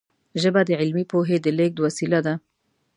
ژبه د علمي پوهې د لېږد وسیله وه.